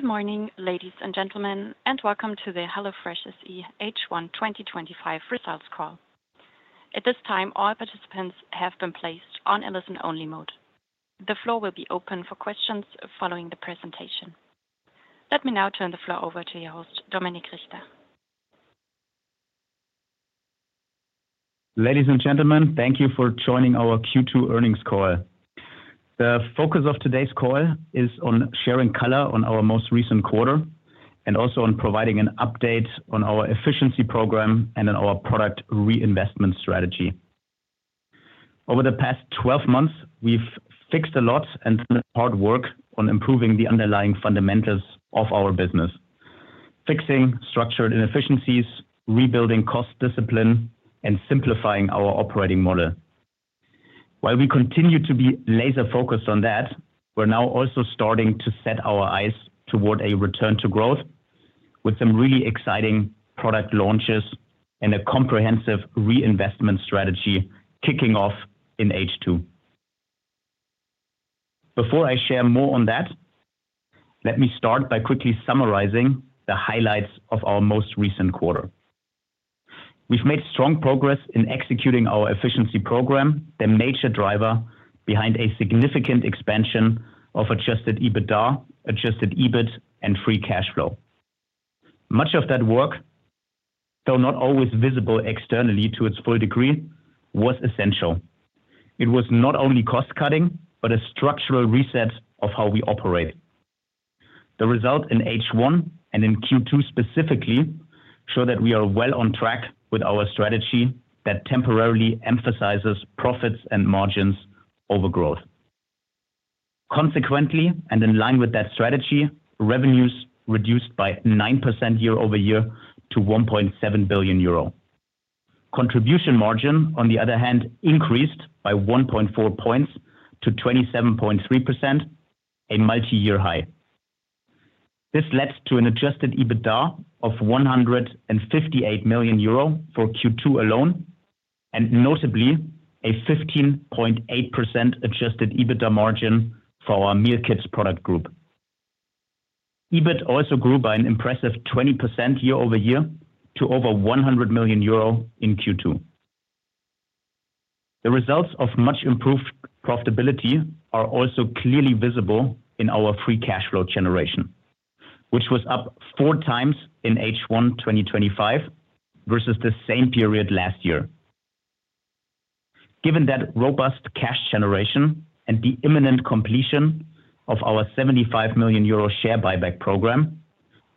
Good morning, ladies and gentlemen, and welcome to the HelloFresh SE H1 2025 Results Call. At this time, all participants have been placed on a listen-only mode. The floor will be open for questions following the presentation. Let me now turn the floor over to your host, Dominik Richter. Ladies and gentlemen, thank you for joining our Q2 earnings call. The focus of today's call is on sharing color on our most recent quarter and also on providing an update on our efficiency program and our product reinvestment strategy. Over the past 12 months, we've fixed a lot and done hard work on improving the underlying fundamentals of our business: fixing structured inefficiencies, rebuilding cost discipline, and simplifying our operating model. While we continue to be laser-focused on that, we're now also starting to set our eyes toward a return to growth with some really exciting product launches and a comprehensive reinvestment strategy kicking off in H2. Before I share more on that, let me start by quickly summarizing the highlights of our most recent quarter. We've made strong progress in executing our efficiency program, the major driver behind a significant expansion of adjusted EBITDA, adjusted EBIT, and free cash flow. Much of that work, though not always visible externally to its full degree, was essential. It was not only cost-cutting, but a structural reset of how we operate. The result in H1 and in Q2 specifically shows that we are well on track with our strategy that temporarily emphasizes profits and margins over growth. Consequently, and in line with that strategy, revenues reduced by 9% year-over-year to 1.7 billion euro. Contribution margin, on the other hand, increased by 1.4 points to 27.3%, a multi-year high. This led to an adjusted EBITDA of 158 million euro for Q2 alone, and notably a 15.8% adjusted EBITDA margin for our meal kit product group. EBIT also grew by an impressive 20% year-over-year to over 100 million euro in Q2. The results of much improved profitability are also clearly visible in our free cash flow generation, which was up 4x in H1 2025 versus the same period last year. Given that robust cash generation and the imminent completion of our 75 million euro share buyback program,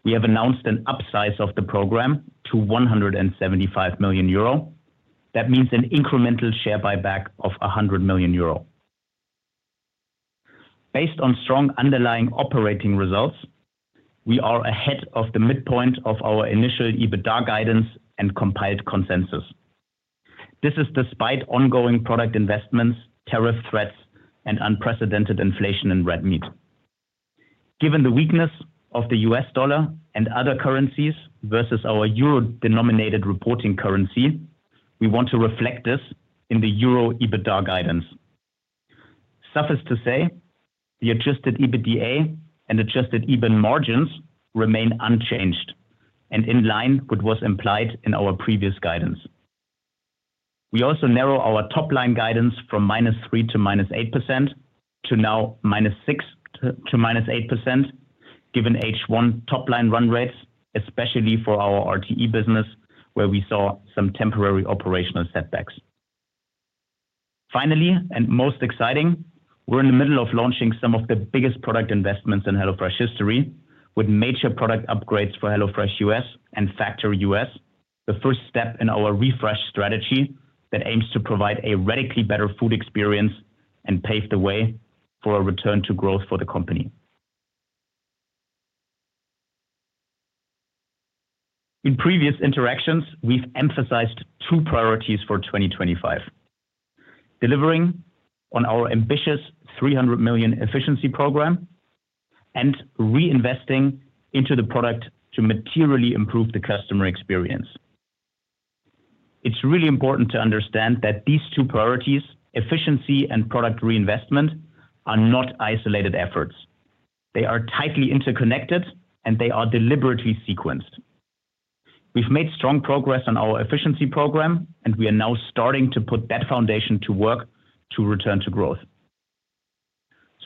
we have announced an upsize of the program to 175 million euro. That means an incremental share buyback of 100 million euro. Based on strong underlying operating results, we are ahead of the midpoint of our initial EBITDA guidance and compiled consensus. This is despite ongoing product investments, tariff threats, and unprecedented inflation in red meat. Given the weakness of the U.S. dollar and other currencies versus our euro-denominated reporting currency, we want to reflect this in the euro EBITDA guidance. Suffice to say, the adjusted EBITDA and adjusted EBITDA margins remain unchanged and in line with what was implied in our previous guidance. We also narrow our top-line guidance from -3% to -8% to now -6% to -8%, given H1 top-line run rates, especially for our RTE business, where we saw some temporary operational setbacks. Finally, and most exciting, we're in the middle of launching some of the biggest product investments in HelloFresh history, with major product upgrades for HelloFresh U.S. and Factor U.S., the first step in our refresh strategy that aims to provide a radically better food experience and pave the way for a return to growth for the company. In previous interactions, we've emphasized two priorities for 2025: delivering on our ambitious 300 million efficiency program and reinvesting into the product to materially improve the customer experience. It's really important to understand that these two priorities, efficiency and product reinvestment, are not isolated efforts. They are tightly interconnected, and they are deliberately sequenced. We've made strong progress on our efficiency program, and we are now starting to put that foundation to work to return to growth.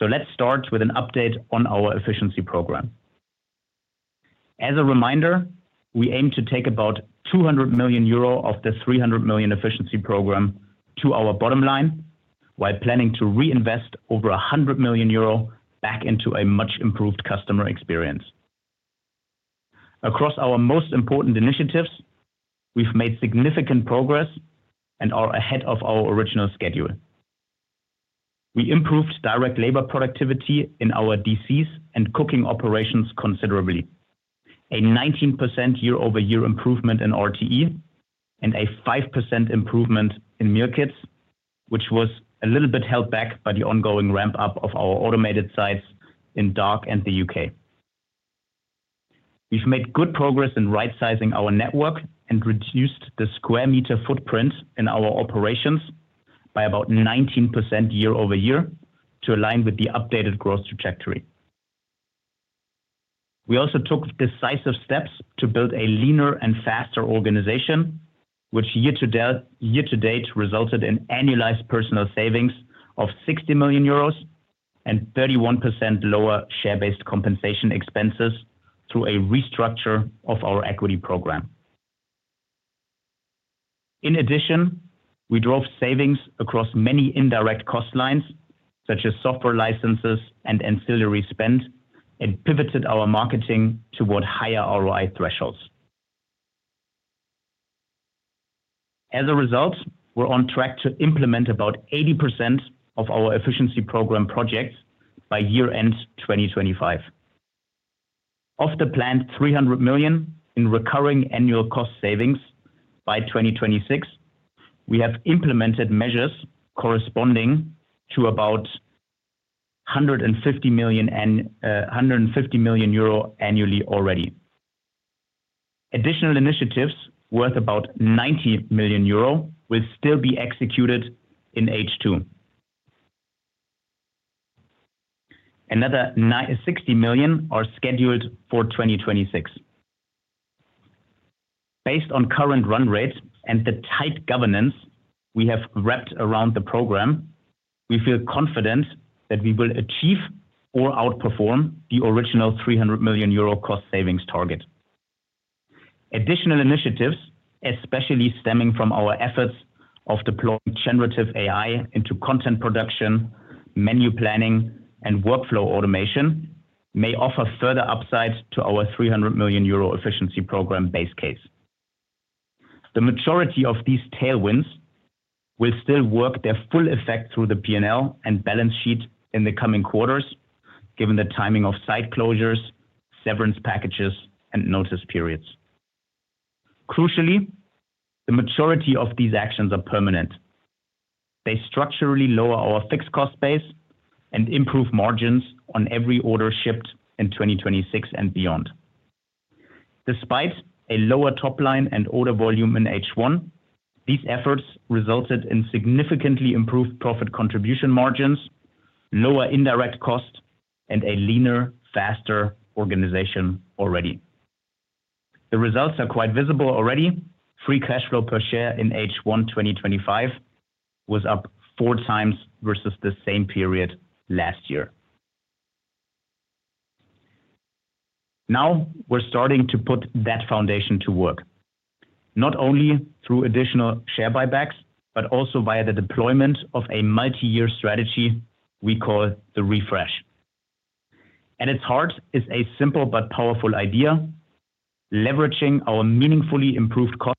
Let's start with an update on our efficiency program. As a reminder, we aim to take about 200 million euro of the 300 million efficiency program to our bottom line, while planning to reinvest over 100 million euro back into a much improved customer experience. Across our most important initiatives, we've made significant progress and are ahead of our original schedule. We improved direct labor productivity in our DCs and cooking operations considerably: a 19% year-over-year improvement in RTE and a 5% improvement in Meal Kits, which was a little bit held back by the ongoing ramp-up of our automated sites in DACH and the U.K. We've made good progress in right-sizing our network and reduced the square meter footprint in our operations by about 19% year-over-year to align with the updated growth trajectory. We also took decisive steps to build a leaner and faster organization, which year to date resulted in annualized personnel savings of 60 million euros and 31% lower share-based compensation expenses through a restructure of our equity program. In addition, we drove savings across many indirect cost lines, such as software licenses and ancillary spend, and pivoted our marketing toward higher ROI thresholds. As a result, we're on track to implement about 80% of our efficiency program projects by year-end 2025. Of the planned 300 million in recurring annual cost savings by 2026, we have implemented measures corresponding to about 150 million annually already. Additional initiatives worth about 90 million euro will still be executed in H2. Another 60 million are scheduled for 2026. Based on current run rates and the tight governance we have wrapped around the program, we feel confident that we will achieve or outperform the original 300 million euro cost savings target. Additional initiatives, especially stemming from our efforts of deploying generative AI into content production, menu planning, and workflow automation, may offer further upside to our 300 million euro efficiency program base case. The majority of these tailwinds will still work their full effect through the P&L and balance sheet in the coming quarters, given the timing of site closures, severance packages, and notice periods. Crucially, the majority of these actions are permanent. They structurally lower our fixed cost base and improve margins on every order shipped in 2026 and beyond. Despite a lower top-line and order volume in H1, these efforts resulted in significantly improved profit contribution margins, lower indirect cost, and a leaner, faster organization already. The results are quite visible already. Free cash flow per share in H1 2025 was up four times versus the same period last year. Now we're starting to put that foundation to work, not only through additional share buybacks, but also via the deployment of a multi-year strategy we call the refresh. At its heart is a simple but powerful idea: leveraging our meaningfully improved cost.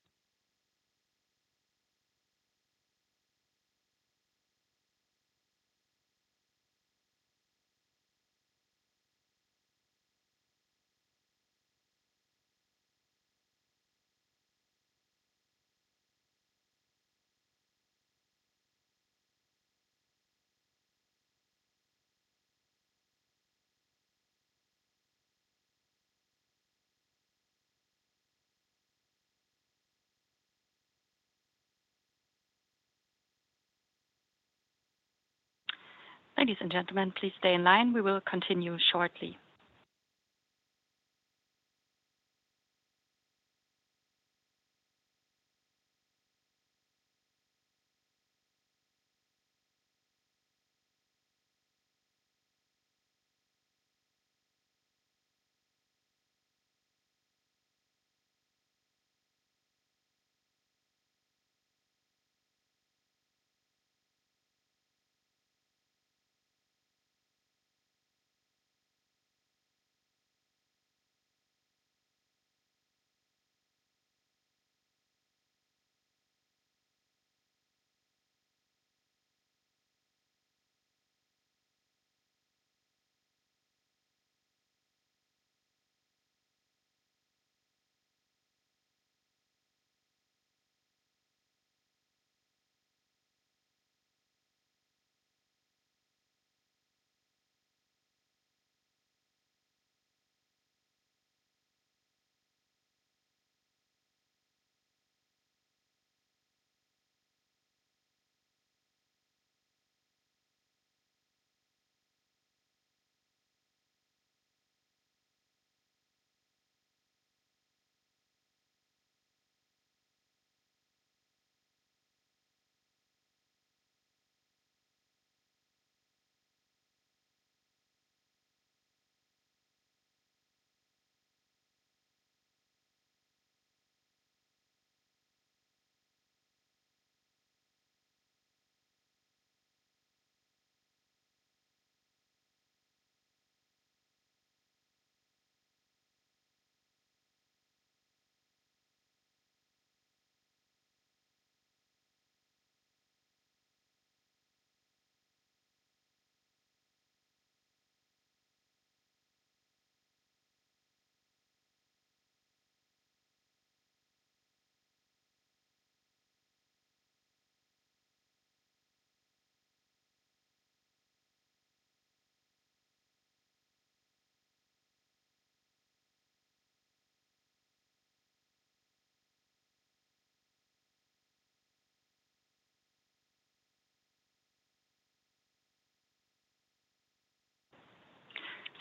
Ladies and gentlemen, please stay in line. We will continue shortly.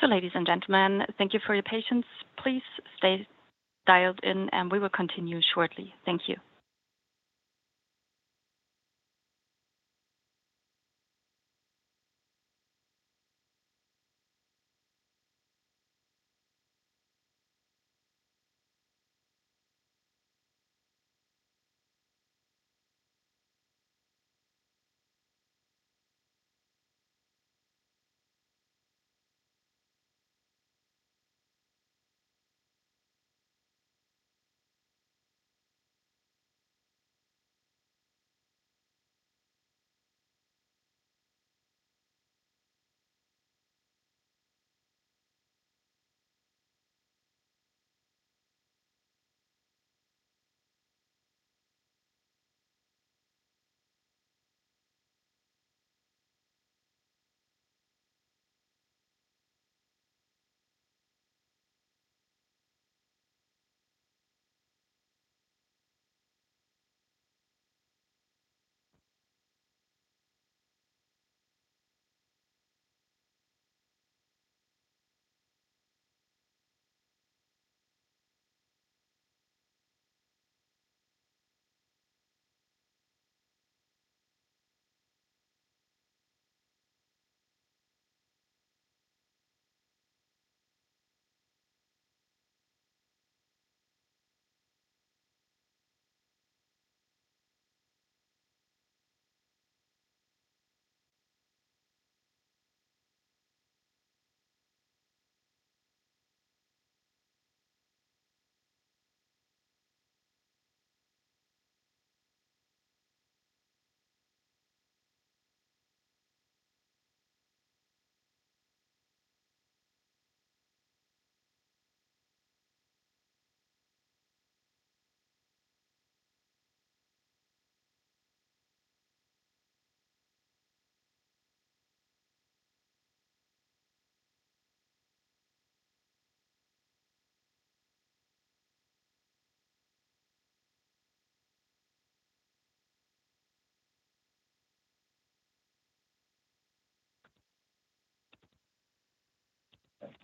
Thank you for your patience. Please stay dialed in, and we will continue shortly. Thank you.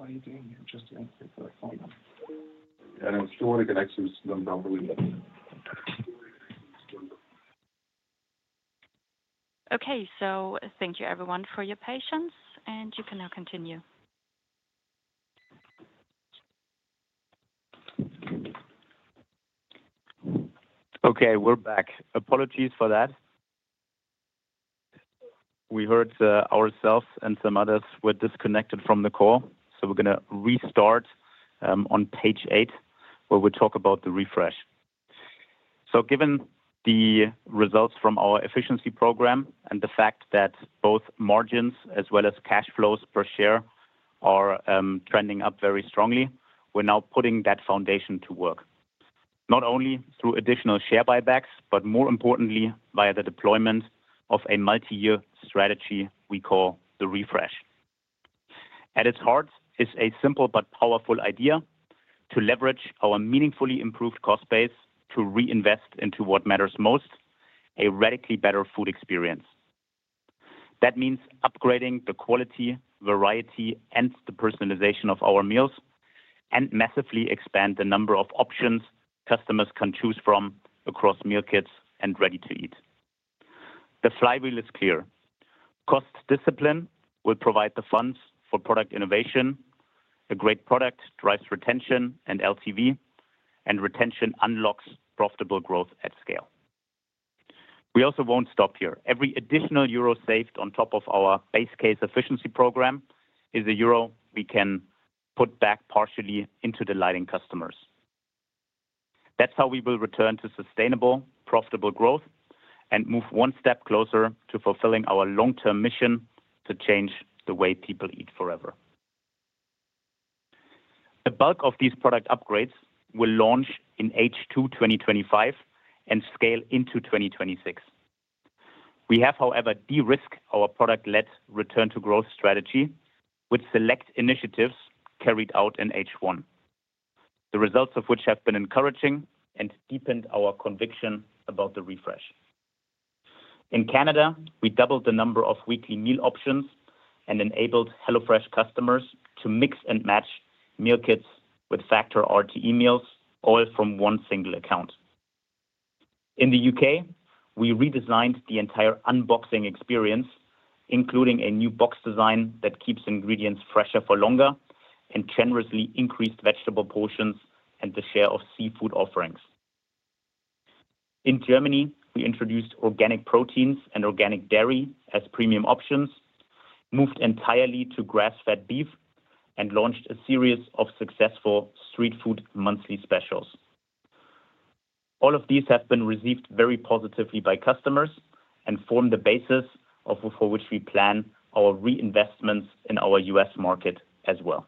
Thank you everyone for your patience, and you can now continue. Okay, we're back. Apologies for that. We heard ourselves and some others were disconnected from the call, so we're going to restart on page eight where we talk about the refresh. Given the results from our efficiency program and the fact that both margins as well as cash flows per share are trending up very strongly, we're now putting that foundation to work, not only through additional share buybacks, but more importantly, via the deployment of a multi-year strategy we call the refresh. At its heart is a simple but powerful idea to leverage our meaningfully improved cost base to reinvest into what matters most: a radically better food experience. That means upgrading the quality, variety, and the personalization of our meals and massively expanding the number of options customers can choose from across Meal Kits and Ready-to-Eat. The flywheel is clear: cost discipline will provide the funds for product innovation, a great product drives retention and LTV, and retention unlocks profitable growth at scale. We also won't stop here. Every additional Euro saved on top of our base case efficiency program is a Euro we can put back partially into delighting customers. That's how we will return to sustainable, profitable growth and move one step closer to fulfilling our long-term mission to change the way people eat forever. A bulk of these product upgrades will launch in H2 2025 and scale into 2026. We have, however, de-risked our product-led return to growth strategy with select initiatives carried out in H1, the results of which have been encouraging and deepened our conviction about the refresh. In Canada, we doubled the number of weekly meal options and enabled HelloFresh customers to mix and match Meal Kits with Factor RTE meals all from one single account. In the UK, we redesigned the entire unboxing experience, including a new box design that keeps ingredients fresher for longer and generously increased vegetable portions and the share of seafood offerings. In Germany, we introduced organic proteins and organic dairy as premium options, moved entirely to grass-fed beef, and launched a series of successful street food monthly specials. All of these have been received very positively by customers and form the basis for which we plan our reinvestments in our U.S. market as well.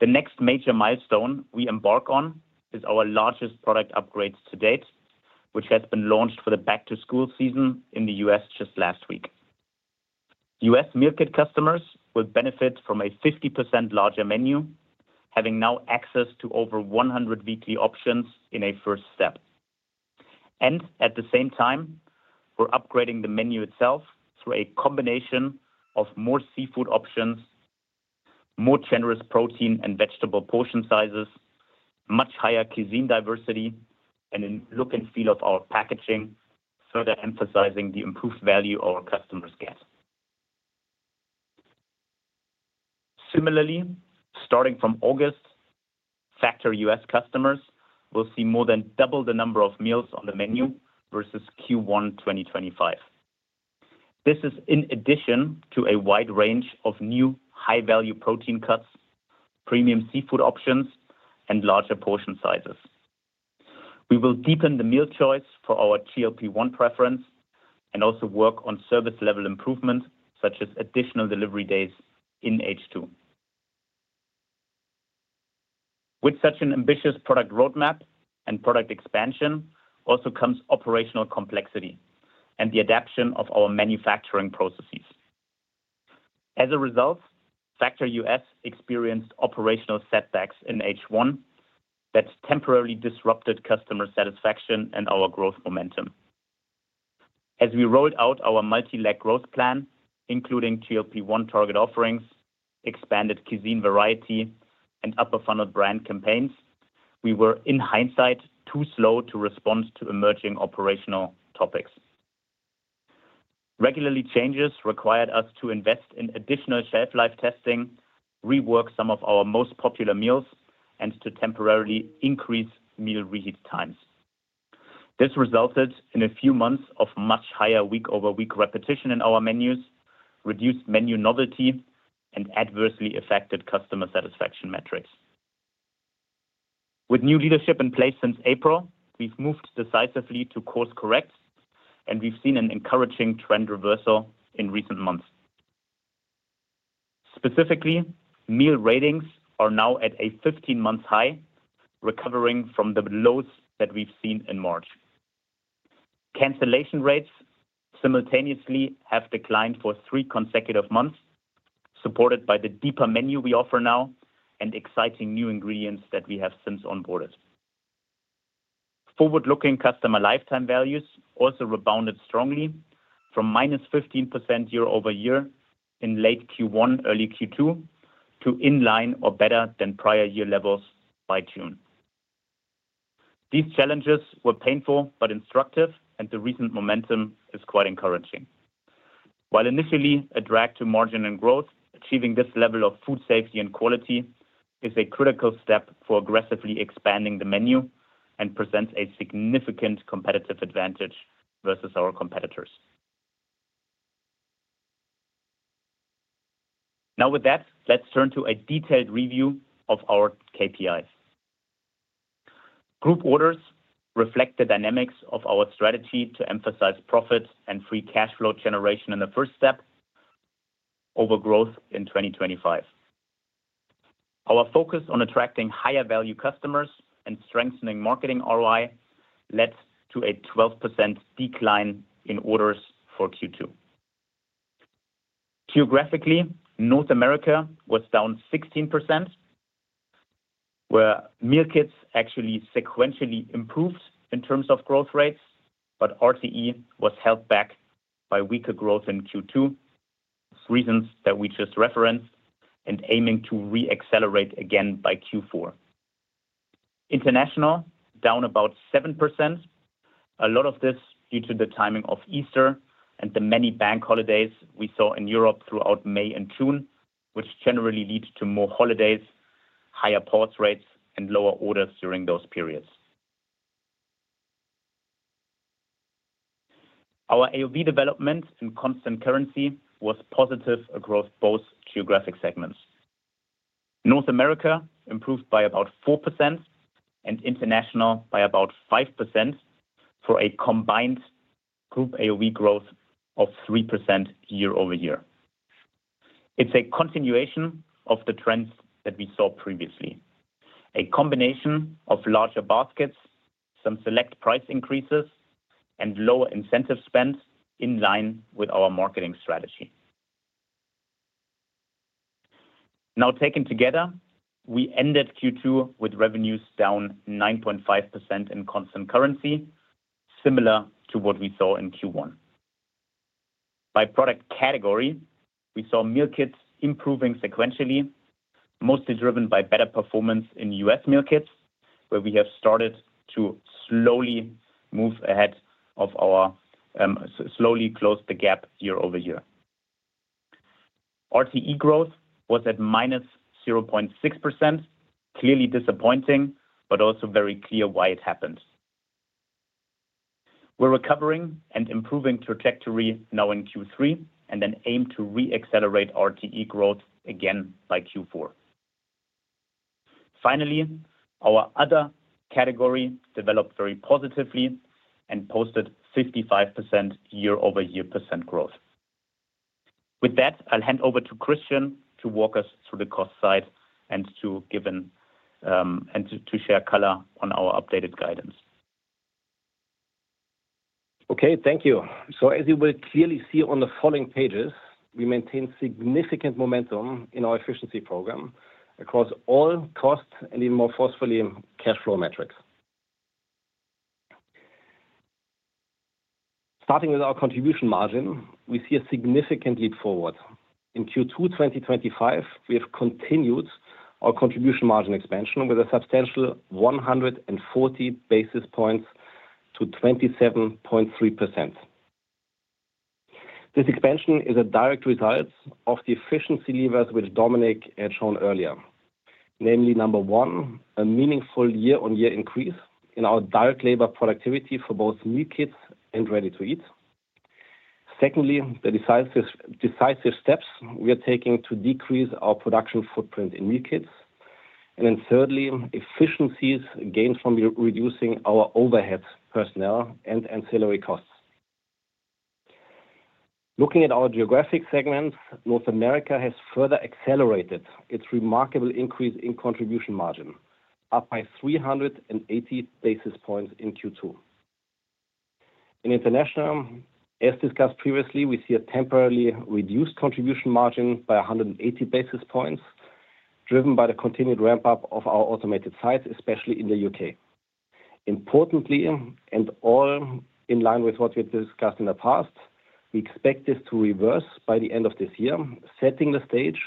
The next major milestone we embark on is our largest product upgrade to date, which has been launched for the back-to-school season in the U.S. just last week. U.S. Meal Kits customers will benefit from a 50% larger menu, having now access to over 100 weekly options in a first step. At the same time, we're upgrading the menu itself through a combination of more seafood options, more generous protein and vegetable portion sizes, much higher cuisine diversity, and in the look and feel of our packaging, further emphasizing the improved value our customers get. Similarly, starting from August, Factor U.S. customers will see more than double the number of meals on the menu versus Q1 2025. This is in addition to a wide range of new high-value protein cuts, premium seafood options, and larger portion sizes. We will deepen the meal choice for our GLP-1 preference and also work on service level improvement, such as additional delivery days in H2. With such an ambitious product roadmap and product expansion also comes operational complexity and the adaption of our manufacturing processes. As a result, Factor US experienced operational setbacks in H1 that temporarily disrupted customer satisfaction and our growth momentum. As we rolled out our multi-leg growth plan, including GLP-1 target offerings, expanded cuisine variety, and upper funnel brand campaigns, we were in hindsight too slow to respond to emerging operational topics. Regular changes required us to invest in additional shelf-life testing, rework some of our most popular meals, and to temporarily increase meal reheat times. This resulted in a few months of much higher week-over-week repetition in our menus, reduced menu novelty, and adversely affected customer satisfaction metrics. With new leadership in place since April, we've moved decisively to course correct, and we've seen an encouraging trend reversal in recent months. Specifically, meal ratings are now at a 15-month high, recovering from the lows that we've seen in March. Cancellation rates simultaneously have declined for three consecutive months, supported by the deeper menu we offer now and exciting new ingredients that we have since onboarded. Forward-looking customer lifetime values also rebounded strongly from -15% year-over-year in late Q1, early Q2, to in line or better than prior year levels by June. These challenges were painful but instructive, and the recent momentum is quite encouraging. While initially a drag to margin and growth, achieving this level of food safety and quality is a critical step for aggressively expanding the menu and presents a significant competitive advantage versus our competitors. Now, with that, let's turn to a detailed review of our KPIs. Group orders reflect the dynamics of our strategy to emphasize profit and free cash flow generation in the first step over growth in 2025. Our focus on attracting higher value customers and strengthening marketing ROI led to a 12% decline in orders for Q2. Geographically, North America was down 16%, where Meal Kits actually sequentially improved in terms of growth rates, but RTE was held back by weaker growth in Q2, reasons that we just referenced, and aiming to re-accelerate again by Q4. International, down about 7%, a lot of this due to the timing of Easter and the many bank holidays we saw in Europe throughout May and June, which generally lead to more holidays, higher ports rates, and lower orders during those periods. Our AOV development in constant currency was positive across both geographic segments. North America improved by about 4% and International by about 5% for a combined group AOV growth of 3% year-over-year. It's a continuation of the trends that we saw previously: a combination of larger baskets, some select price increases, and lower incentive spend in line with our marketing strategy. Now, taken together, we ended Q2 with revenues down 9.5% in constant currency, similar to what we saw in Q1. By product category, we saw Meal Kits improving sequentially, mostly driven by better performance in U.S. Meal Kits, where we have started to slowly move ahead or slowly close the gap year-over-year. RTE growth was at -0.6%, clearly disappointing, but also very clear why it happens. We're recovering and improving trajectory now in Q3 and then aim to re-accelerate RTE growth again by Q4. Finally, our other category developed very positively and posted 55% year-over-year growth. With that, I'll hand over to Christian to walk us through the cost side and to share color on our updated guidance. Okay, thank you. As you will clearly see on the following pages, we maintain significant momentum in our efficiency program across all cost and even more forcefully cash flow metrics. Starting with our contribution margin, we see a significant leap forward. In Q2 2025, we have continued our contribution margin expansion with a substantial 140 basis points to 27.3%. This expansion is a direct result of the efficiency levers which Dominik had shown earlier, namely number one, a meaningful year-on-year increase in our direct labor productivity for both Meal Kits and Ready-to-Eat. Secondly, the decisive steps we are taking to decrease our production footprint in Meal Kits. Thirdly, efficiencies gained from reducing our overhead personnel and ancillary costs. Looking at our geographic segments, North America has further accelerated its remarkable increase in contribution margin, up by 380 basis points in Q2. In International, as discussed previously, we see a temporarily reduced contribution margin by 180 basis points, driven by the continued ramp-up of our automated sites, especially in the U.K. Importantly, all in line with what we've discussed in the past, we expect this to reverse by the end of this year, setting the stage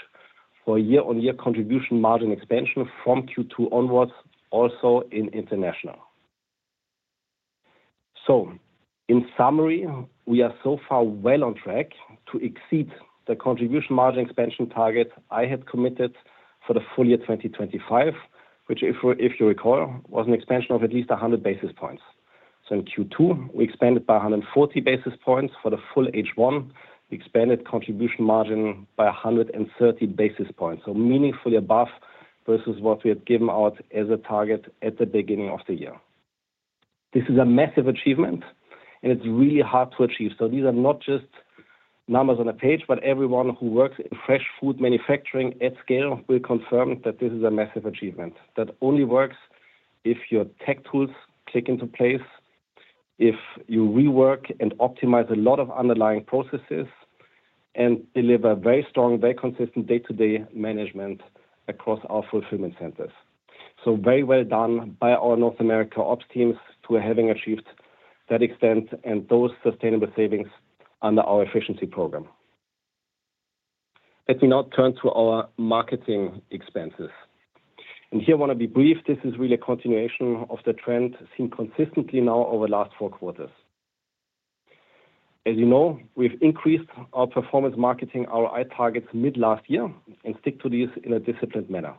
for a year-on-year contribution margin expansion from Q2 onwards, also in International. In summary, we are so far well on track to exceed the contribution margin expansion target I had committed for the full year 2025, which, if you recall, was an expansion of at least 100 basis points. In Q2, we expanded by 140 basis points. For the full H1, we expanded contribution margin by 130 basis points, meaningfully above versus what we had given out as a target at the beginning of the year. This is a massive achievement, and it's really hard to achieve. These are not just numbers on a page, but everyone who works in fresh food manufacturing at scale will confirm that this is a massive achievement that only works if your tech tools click into place, if you rework and optimize a lot of underlying processes and deliver very strong, very consistent day-to-day management across our fulfillment centers. Very well done by our North America ops teams who are having achieved that extent and those sustainable savings under our efficiency program. Let me now turn to our marketing expenses. Here I want to be brief. This is really a continuation of the trend seen consistently now over the last four quarters. As you know, we've increased our performance marketing ROI targets mid-last year and stick to these in a disciplined manner.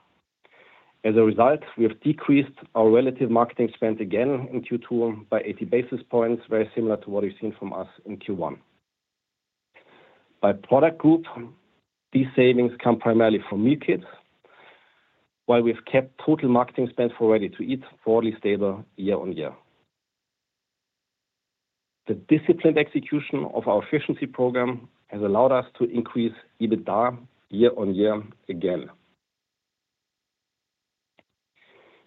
As a result, we have decreased our relative marketing spend again in Q2 by 80 basis points, very similar to what you've seen from us in Q1. By product group, these savings come primarily from Meal Kits, while we've kept total marketing spend for Ready-to-Eat broadly stable year on year. The disciplined execution of our efficiency program has allowed us to increase EBITDA year on year again.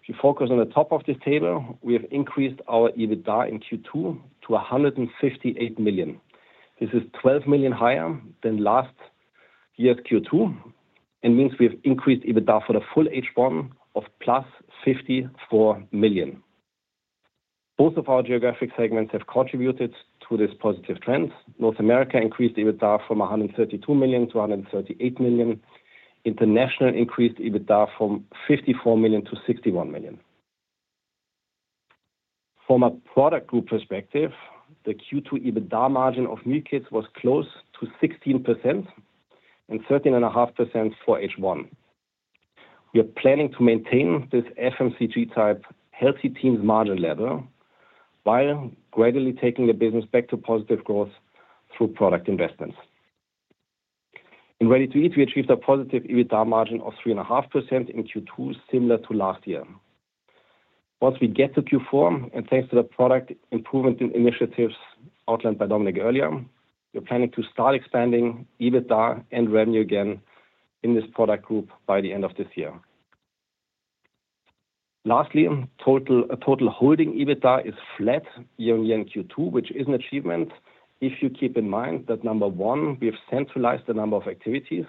If you focus on the top of this table, we have increased our EBITDA in Q2 to 158 million. This is 12 million higher than last year's Q2 and means we have increased EBITDA for the full H1 of +54 million. Both of our geographic segments have contributed to this positive trend. North America increased EBITDA from 132 million-138 million. International increased EBITDA from 54 million-61 million. From a product group perspective, the Q2 EBITDA margin of Meal Kits was close to 16% and 13.5% for H1. We are planning to maintain this FMCG-type healthy team's margin level while gradually taking the business back to positive growth through product investments. In Ready-to-Eat, we achieved a positive EBITDA margin of 3.5% in Q2, similar to last year. Once we get to Q4, and thanks to the product improvement initiatives outlined by Dominik earlier, we're planning to start expanding EBITDA and revenue again in this product group by the end of this year. Lastly, total holding EBITDA is flat year on year in Q2, which is an achievement if you keep in mind that, number one, we have centralized a number of activities,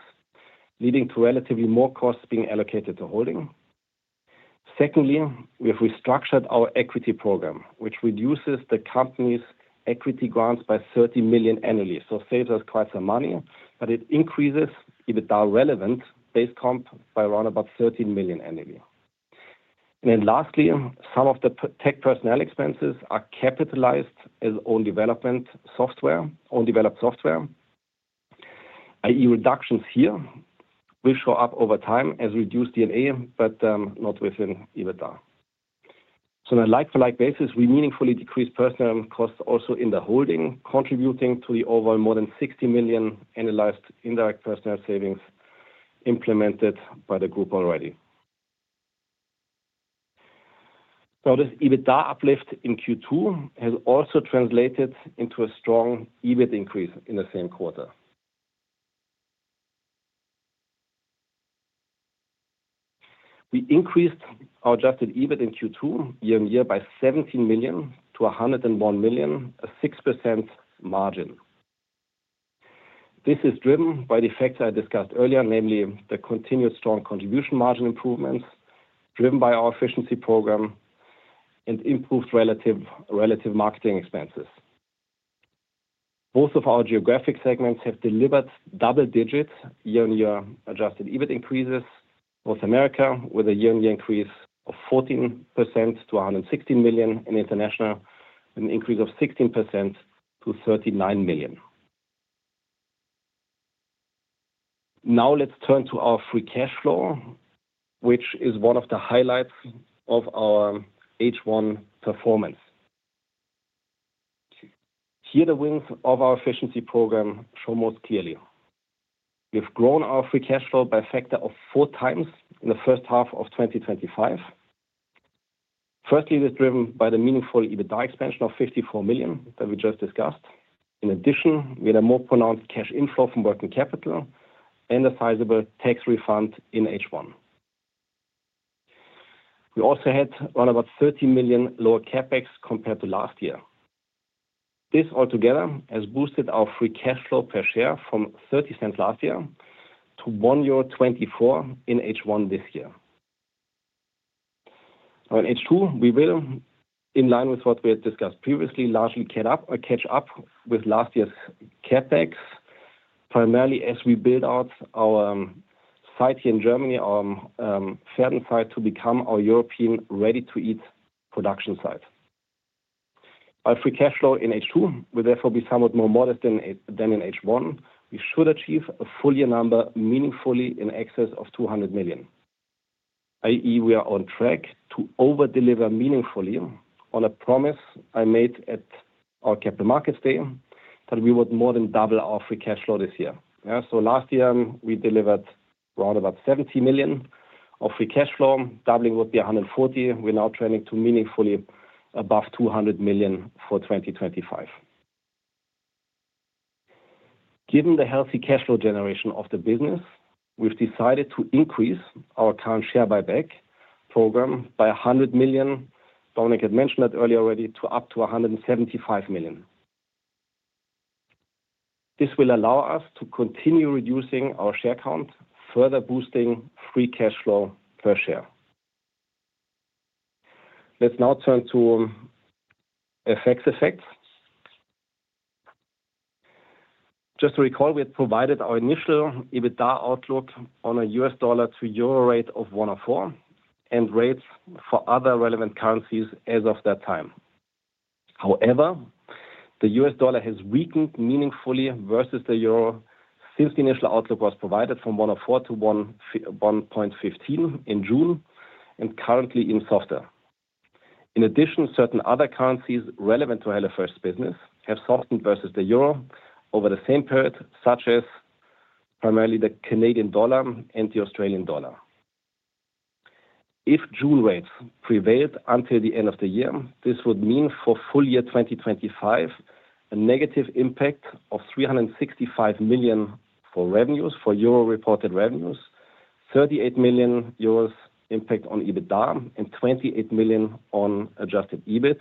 leading to relatively more costs being allocated to holding. Secondly, we have restructured our equity program, which reduces the company's equity grants by 30 million annually, so it saves us quite some money, but it increases EBITDA-relevant base comp by around about 13 million annually. Lastly, some of the tech personnel expenses are capitalized as own developed software, i.e., reductions here will show up over time as reduced DNA, but not within EBITDA. On a like-for-like basis, we meaningfully decrease personnel costs also in the holding, contributing to the overall more than 60 million annualized indirect personnel savings implemented by the group already. This EBITDA uplift in Q2 has also translated into a strong EBIT increase in the same quarter. We increased our adjusted EBIT in Q2 year on year by 17 million-101 million, a 6% margin. This is driven by the factor I discussed earlier, namely the continued strong contribution margin improvements driven by our efficiency program and improved relative marketing expenses. Both of our geographic segments have delivered double-digit year-on-year adjusted EBIT increases, North America with a year-on-year increase of 14% to 116 million and International with an increase of 16% to 39 million. Now let's turn to our free cash flow, which is one of the highlights of our H1 performance. Here, the wings of our efficiency program show most clearly. We have grown our free cash flow by a factor of four times in the first half of 2025. Firstly, this is driven by the meaningful EBITDA expansion of 54 million that we just discussed. In addition, we had a more pronounced cash inflow from working capital and a sizable tax refund in H1. We also had around 30 million lower CapEx compared to last year. This altogether has boosted our free cash flow per share from 0.30 last year to 1.24 euro in H1 this year. Now in H2, we will, in line with what we had discussed previously, largely catch up with last year's CapEx, primarily as we build out our site here in Germany, to become our European ready-to-eat production site. Our free cash flow in H2 will therefore be somewhat more modest than in H1. We should achieve a full year number meaningfully in excess of 200 million, i.e., we are on track to over-deliver meaningfully on a promise I made at our Capital Markets Day that we would more than double our free cash flow this year. Last year, we delivered around 70 million of free cash flow. Doubling would be 140 million. We're now trending to meaningfully above 200 million for 2025. Given the healthy cash flow generation of the business, we've decided to increase our current share buyback program by 100 million. Dominik had mentioned that earlier already to up to 175 million. This will allow us to continue reducing our share count, further boosting free cash flow per share. Let's now turn to FX effects. Just to recall, we had provided our initial EBITDA outlook on a U.S. dollar to Euro rate of 1.04 and rates for other relevant currencies as of that time. However, the U.S. dollar has weakened meaningfully versus the Euro since the initial outlook was provided from 1.04-1.15 in June and currently even softer. In addition, certain other currencies relevant to HelloFresh's business have softened versus the euro over the same period, such as primarily the Canadian dollar and the Australian dollar. If June rates prevailed until the end of the year, this would mean for full year 2025, a negative impact of 365 million for revenues, for euro-reported revenues, 38 million euros impact on EBITDA and 28 million on adjusted EBIT,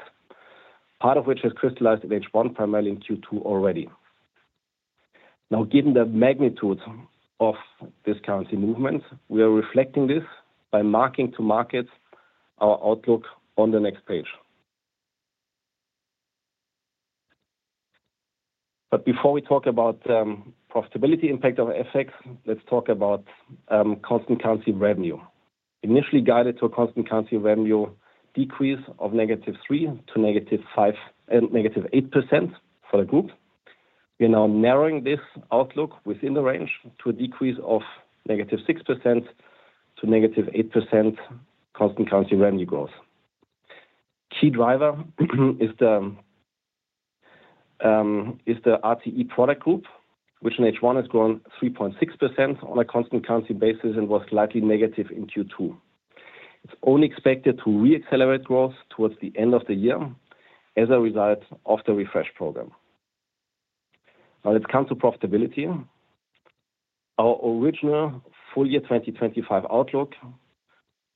part of which has crystallized in H1, primarily in Q2 already. Now, given the magnitude of this currency movement, we are reflecting this by marking to market our outlook on the next page. Before we talk about the profitability impact of FX, let's talk about constant currency revenue. Initially guided to a constant currency revenue decrease of -3% to -5% and -8% for the group, we are now narrowing this outlook within the range to a decrease of -6% to -8% constant currency revenue growth. Key driver is the RTE product group, which in H1 has grown 3.6% on a constant currency basis and was slightly negative in Q2. It is only expected to re-accelerate growth towards the end of the year as a result of the refresh program. Now let's come to profitability. Our original full year 2025 outlook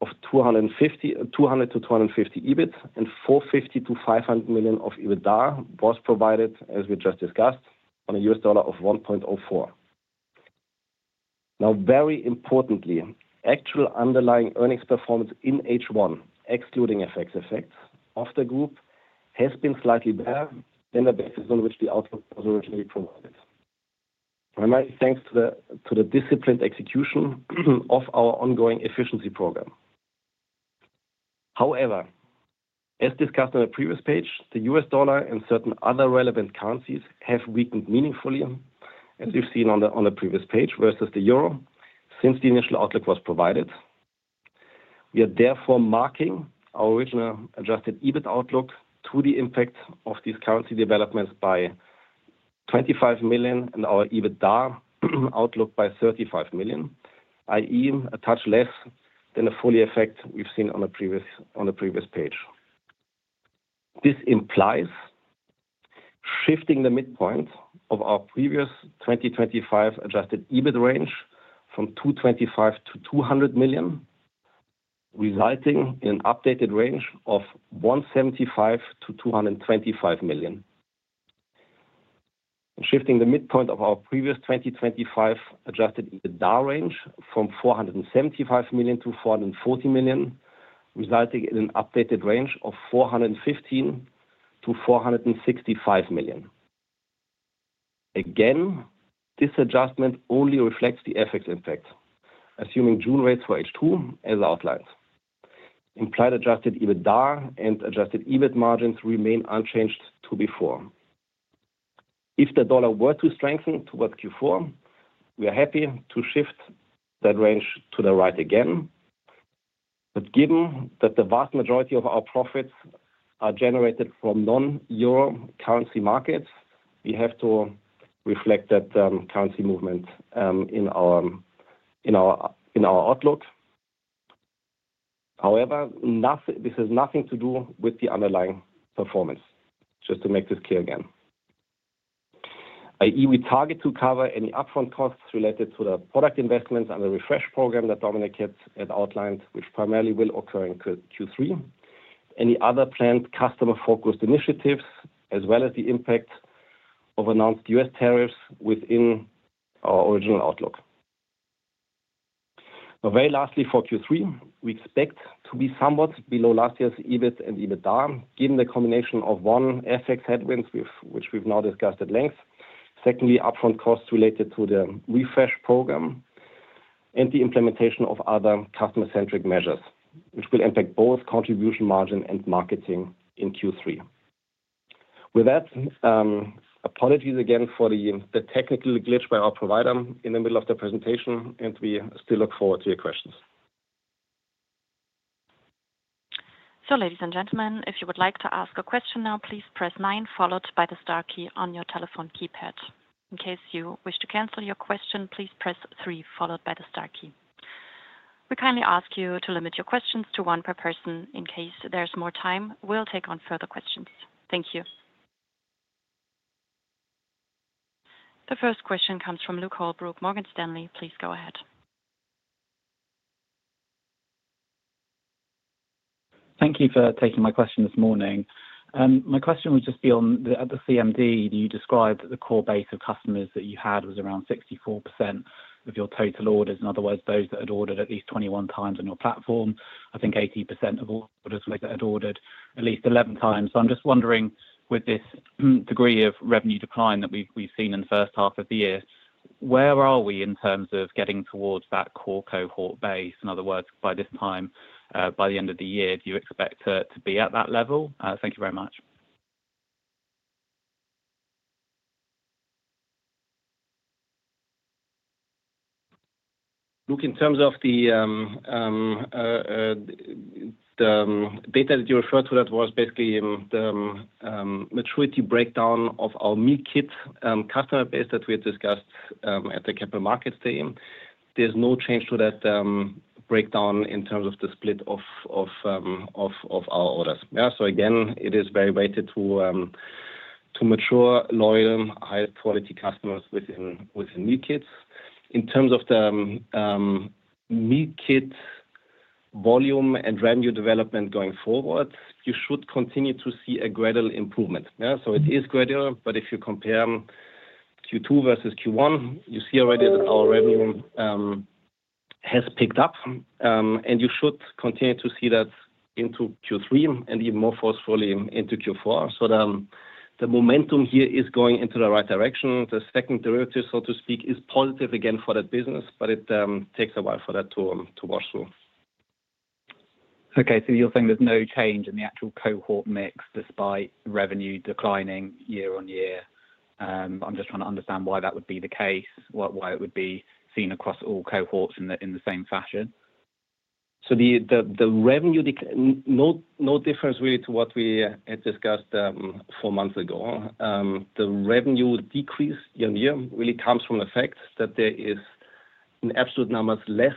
of 200 million-250 million EBIT and 450 million-500 million of EBITDA was provided, as we just discussed, on a U.S. dollar of 1.04. Very importantly, actual underlying earnings performance in H1, excluding FX effects of the group, has been slightly better than the basis on which the outlook was originally provided, primarily thanks to the disciplined execution of our ongoing efficiency program. However, as discussed on the previous page, the U.S. dollar and certain other relevant currencies have weakened meaningfully, as we've seen on the previous page, versus the Euro since the initial outlook was provided. We are therefore marking our original adjusted EBIT outlook to the impact of these currency developments by 25 million and our EBITDA outlook by 35 million, i.e., a touch less than the full year effect we've seen on the previous page. This implies shifting the midpoint of our previous 2025 adjusted EBIT range from 225 million-200 million, resulting in an updated range of 175 million-225 million. Shifting the midpoint of our previous 2025 adjusted EBITDA range from 475 million-440 million, resulting in an updated range of 415 million-465 million. Again, this adjustment only reflects the FX impact, assuming June rates for H2 as outlined. Implied adjusted EBITDA and adjusted EBIT margins remain unchanged to before. If the dollar were to strengthen towards Q4, we are happy to shift that range to the right again. Given that the vast majority of our profits are generated from non-euro currency markets, we have to reflect that currency movement in our outlook. However, this has nothing to do with the underlying performance, just to make this clear again. I.e., we target to cover any upfront costs related to the product investments and the refresh program that Dominik had outlined, which primarily will occur in Q3, any other planned customer-focused initiatives, as well as the impact of announced U.S. tariffs within our original outlook. Very lastly, for Q3, we expect to be somewhat below last year's EBIT and EBITDA, given the combination of, one, FX headwinds, which we've now discussed at length. Secondly, upfront costs related to the refresh program and the implementation of other customer-centric measures, which will impact both contribution margin and marketing in Q3. With that, apologies again for the technical glitch by our provider in the middle of the presentation, and we still look forward to your questions. Ladies and gentlemen, if you would like to ask a question now, please press nine, followed by the star key on your telephone keypad. In case you wish to cancel your question, please press three, followed by the star key. We kindly ask you to limit your questions to one per person. In case there's more time, we'll take on further questions. Thank you. The first question comes from Luke Holbrook, Morgan Stanley. Please go ahead. Thank you for taking my question this morning. My question would just be on the other CMD. You described that the core base of customers that you had was around 64% of your total orders. In other words, those that had ordered at least 21x on your platform. I think 80% of orders were that had ordered at least 11x. I'm just wondering, with this degree of revenue decline that we've seen in the first half of the year, where are we in terms of getting towards that core cohort base? In other words, by this time, by the end of the year, do you expect to be at that level? Thank you very much. Look, in terms of the data that you referred to, that was basically the maturity breakdown of our Meal kits customer base that we had discussed at the Capital Markets Day. There's no change to that breakdown in terms of the split of our orders. It is very weighted to mature, loyal, high-quality customers within Meal Kits. In terms of the Meal Kits volume and revenue development going forward, you should continue to see a gradual improvement. It is gradual, but if you compare Q2 versus Q1, you see already that our revenue has picked up, and you should continue to see that into Q3 and even more forcefully into Q4. The momentum here is going into the right direction. The second derivative, so to speak, is positive again for that business, but it takes a while for that to wash through. Okay, so you're saying there's no change in the actual cohort mix despite revenue declining year on year. I'm just trying to understand why that would be the case, why it would be seen across all cohorts in the same fashion. The revenue decline, no difference really to what we had discussed four months ago. The revenue decrease year on year really comes from the fact that there are in absolute numbers less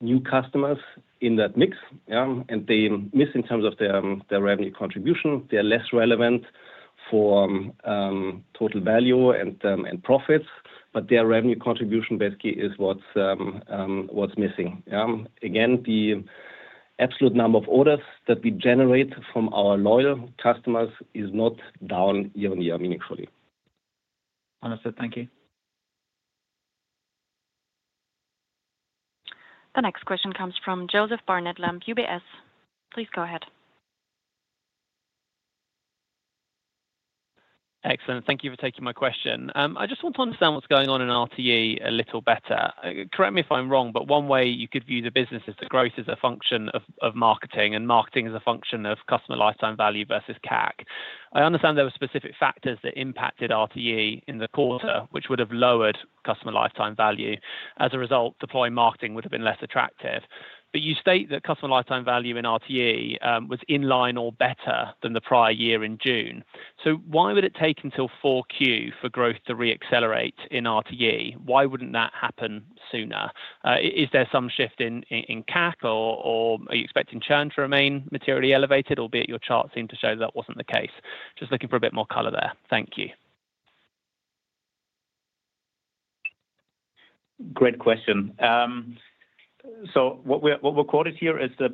new customers in that mix, and they miss in terms of their revenue contribution. They are less relevant for total value and profits, but their revenue contribution basically is what's missing. Again, the absolute number of orders that we generate from our loyal customers is not down year on year meaningfully. Understood. Thank you. The next question comes from Joseph Barnet-Lamb, UBS. Please go ahead. Excellent. Thank you for taking my question. I just want to understand what's going on in RTE a little better. Correct me if I'm wrong, but one way you could view the business is that growth is a function of marketing, and marketing is a function of customer lifetime value versus CAC. I understand there were specific factors that impacted RTE in the quarter, which would have lowered customer lifetime value. As a result, deploying marketing would have been less attractive. You state that customer lifetime value in RTE was in line or better than the prior year in June. Why would it take until 4Q for growth to re-accelerate in RTE? Why wouldn't that happen sooner? Is there some shift in CAC, or are you expecting churn to remain materially elevated, albeit your chart seemed to show that wasn't the case? Just looking for a bit more color there. Thank you. Great question. What we're quoted here is the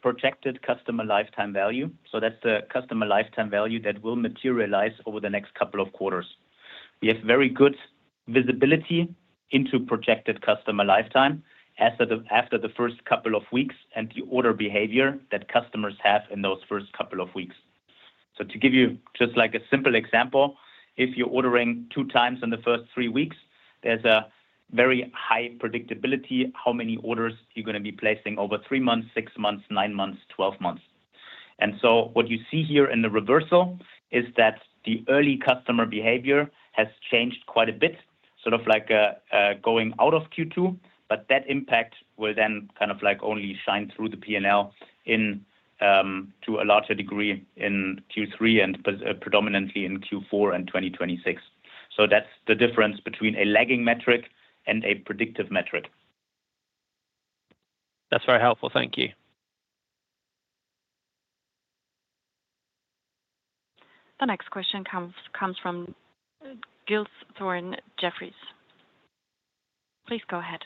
projected customer lifetime value. That's the customer lifetime value that will materialize over the next couple of quarters. We have very good visibility into projected customer lifetime after the first couple of weeks and the order behavior that customers have in those first couple of weeks. To give you just like a simple example, if you're ordering two times in the first three weeks, there's a very high predictability how many orders you're going to be placing over three months, six months, nine months, 12 months. What you see here in the reversal is that the early customer behavior has changed quite a bit, sort of like going out of Q2. That impact will then kind of like only shine through the P&L to a larger degree in Q3 and predominantly in Q4 and 2026. That's the difference between a lagging metric and a predictive metric. That's very helpful. Thank you. The next question comes from Giles Thorne, Jefferies. Please go ahead.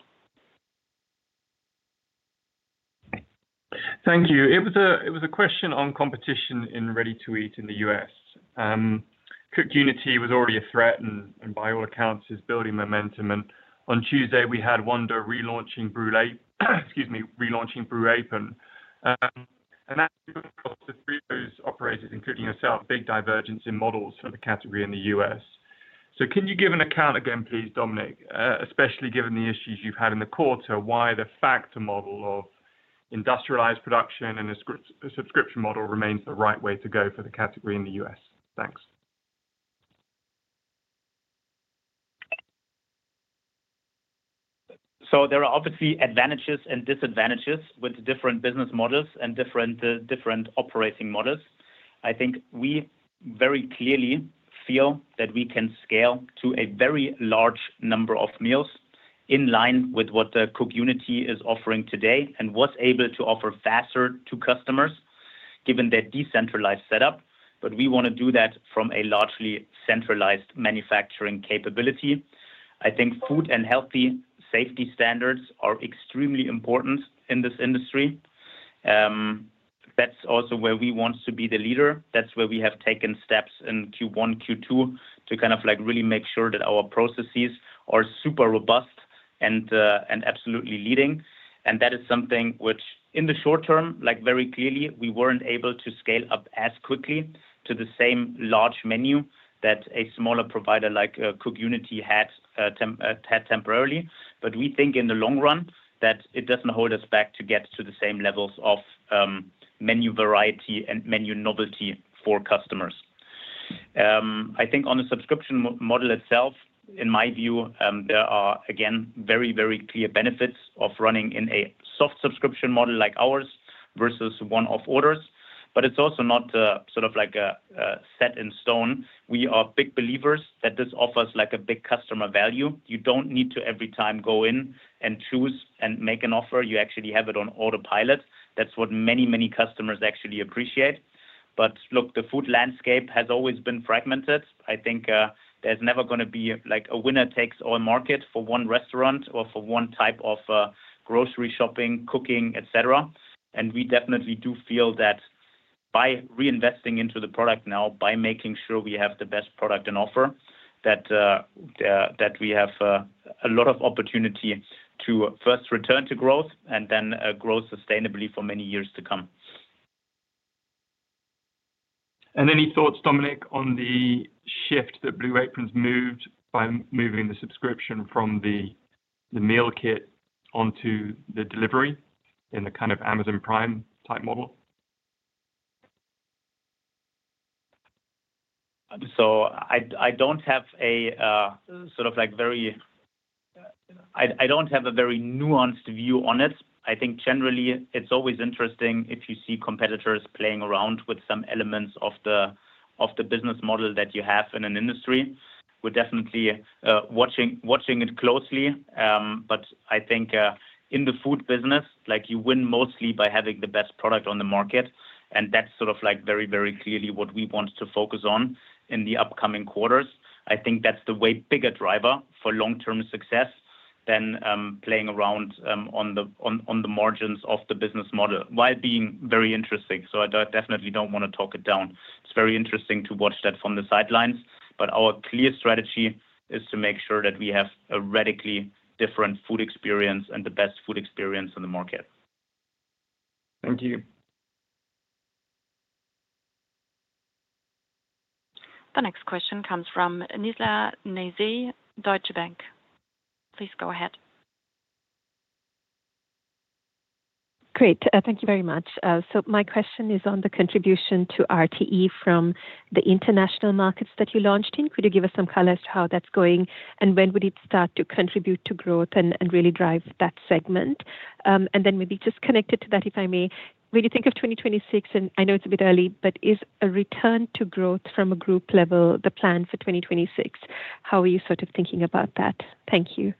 Thank you. It was a question on competition in Ready-to-Eat in the U.S. CookUnity was already a threat and by all accounts is building momentum. On Tuesday, we had Wonder relaunching Blue Apron, excuse me, relaunching Blue Apron. For three of those operators, including yourself, there is a big divergence in models for the category in the U.S. Can you give an account again, please, Dominik, especially given the issues you've had in the quarter? Why the Factor model or industrialized production and a subscription model remains the right way to go for the category in the U.S.? Thanks. There are obviously advantages and disadvantages with different business models and different operating models. I think we very clearly feel that we can scale to a very large number of meals in line with what CookUnity is offering today and was able to offer faster to customers given their decentralized setup. We want to do that from a largely centralized manufacturing capability. I think food and health safety standards are extremely important in this industry. That is also where we want to be the leader. That is where we have taken steps in Q1, Q2 to really make sure that our processes are super robust and absolutely leading. That is something which in the short term, very clearly, we weren't able to scale up as quickly to the same large menu that a smaller provider like CookUnity had temporarily. We think in the long run that it doesn't hold us back to get to the same levels of menu variety and menu novelty for customers. I think on the subscription model itself, in my view, there are again very, very clear benefits of running in a soft subscription model like ours versus one-off orders. It's also not sort of set in stone. We are big believers that this offers a big customer value. You don't need to every time go in and choose and make an offer. You actually have it on autopilot. That's what many, many customers actually appreciate. The food landscape has always been fragmented. I think there's never going to be a winner-takes-all market for one restaurant or for one type of grocery shopping, cooking, et cetera. We definitely do feel that by reinvesting into the product now, by making sure we have the best product and offer, we have a lot of opportunity to first return to growth and then grow sustainably for many years to come. Have any thoughts, Dominik, on the shift that Blue Apron has made by moving the subscription from the Meal Kit onto the delivery in the kind of Amazon Prime-type model? I don't have a very nuanced view on it. I think generally it's always interesting if you see competitors playing around with some elements of the business model that you have in an industry. We're definitely watching it closely. I think in the food business, you win mostly by having the best product on the market. That's very, very clearly what we want to focus on in the upcoming quarters. I think that's the way bigger driver for long-term success than playing around on the margins of the business model, while being very interesting. I definitely don't want to talk it down. It's very interesting to watch that from the sidelines. Our clear strategy is to make sure that we have a radically different food experience and the best food experience on the market. Thank you. The next question comes from Nizla Naizer, Deutsche Bank. Please go ahead. Great. Thank you very much. My question is on the contribution to RTE from the international markets that you launched in. Could you give us some color as to how that's going and when it would start to contribute to growth and really drive that segment? Maybe just connected to that, if I may, when you think of 2026, and I know it's a bit early, is a return to growth from a group level the plan for 2026? How are you sort of thinking about that? Thank you.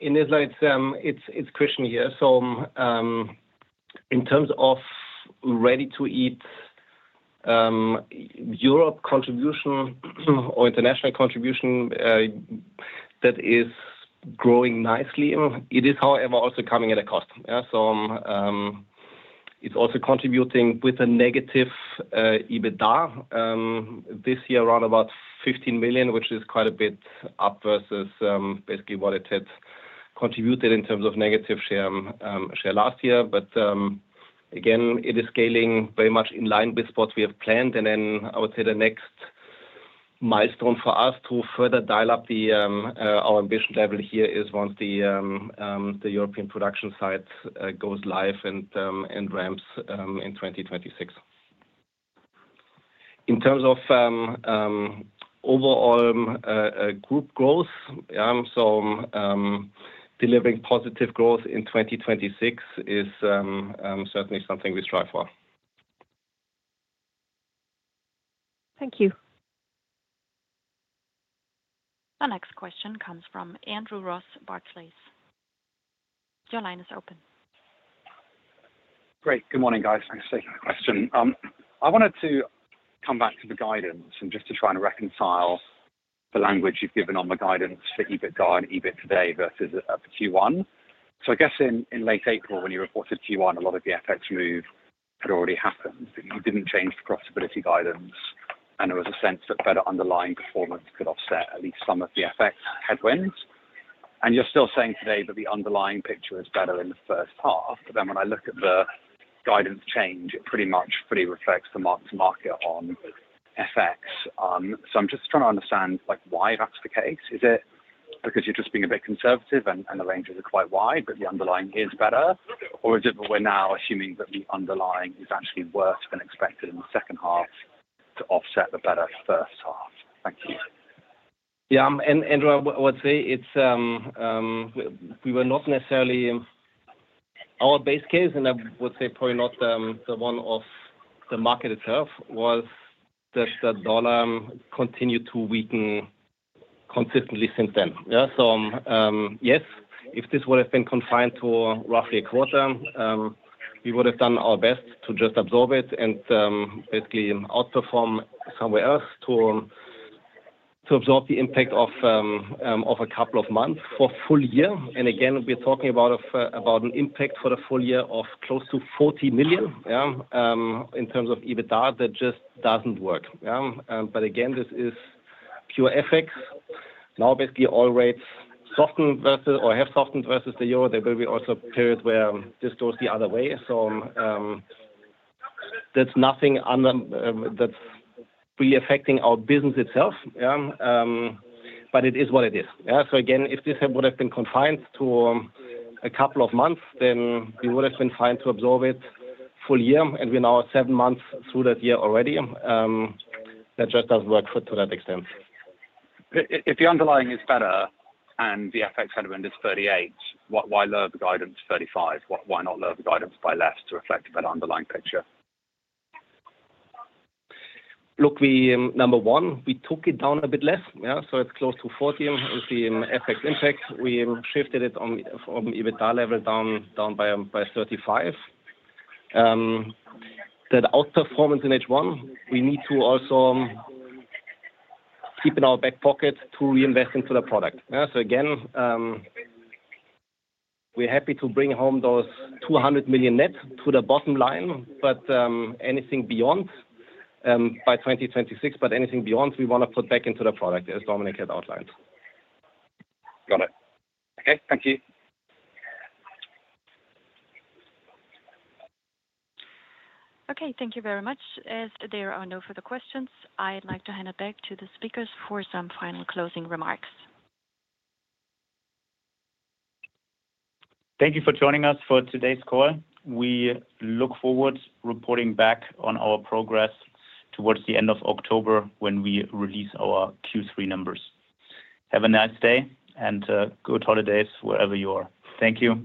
In this light, it's Christian here. In terms of Ready-to-Eat Europe contribution or international contribution that is growing nicely, it is however also coming at a cost. It is also contributing with a negative EBITDA this year around about 15 million, which is quite a bit up versus basically what it had contributed in terms of negative share last year. Again, it is scaling very much in line with what we have planned. I would say the next milestone for us to further dial up our ambition level here is once the European production site goes live and ramps in 2026. In terms of overall group growth, delivering positive growth in 2026 is certainly something we strive for. Thank you. The next question comes from Andrew Ross, Barclays. Your line is open. Great. Good morning, guys. Thanks for taking the question. I wanted to come back to the guidance and just to try and reconcile the language you've given on the guidance for EBITDA and EBIT today versus Q1. I guess in late April, when you reported Q1, a lot of the FX move had already happened, but you didn't change the profitability guidance. There was a sense that better underlying performance could offset at least some of the FX headwinds. You're still saying today that the underlying picture is better in the first half. When I look at the guidance change, it pretty much reflects the mark to market on FX. I'm just trying to understand why that's the case. Is it because you're just being a bit conservative and the ranges are quite wide, but the underlying is better? Is it that we're now assuming that the underlying is actually worse than expected in the second half to offset the better first half? Thank you. Yeah, Andrew, I would say we were not necessarily our base case, and I would say probably not the one of the market itself was that the dollar continued to weaken consistently since then. Yes, if this would have been confined to roughly a quarter, we would have done our best to just absorb it and basically outperform somewhere else to absorb the impact of a couple of months for a full year. Again, we're talking about an impact for the full year of close to 40 million in terms of EBITDA. That just doesn't work. Again, this is pure FX. Now basically all rates softened versus or have softened versus the euro. There will be also a period where this goes the other way. There's nothing under that's really affecting our business itself. It is what it is. Again, if this would have been confined to a couple of months, then we would have been fine to absorb it full year. We're now at seven months through that year already. That just doesn't work for that extent. If the underlying is better and the FX headwind is 38 million, why lower the guidance to 35 million? Why not lower the guidance by less to reflect a better underlying picture? Look, number one, we took it down a bit less. It's close to 40. With the FX impact, we shifted it from EBITDA level down by 35. That outperformance in H1, we need to also keep in our back pocket to reinvest into the product. We're happy to bring home those 200 million net to the bottom line, but anything beyond by 2026, anything beyond we want to put back into the product as Dominik had outlined. Got it. Okay, thank you. Okay, thank you very much. If there are no further questions, I'd like to hand it back to the speakers for some final closing remarks. Thank you for joining us for today's call. We look forward to reporting back on our progress towards the end of October when we release our Q3 numbers. Have a nice day and good holidays wherever you are. Thank you.